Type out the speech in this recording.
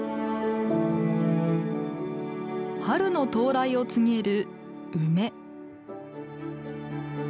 春の到来を告げる梅。